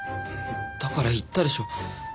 だから言ったでしょ。